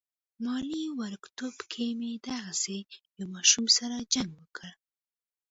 مالې وړوکتوب کې مې دغسې يو ماشوم سره جنګ وکه.